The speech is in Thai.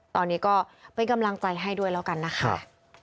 ตอนนี้ก็เป็นกำลังใจให้ด้วยแล้วกันนะคะ